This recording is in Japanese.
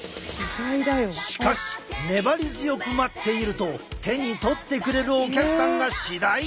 しかし粘り強く待っていると手に取ってくれるお客さんが次第に増えてきた。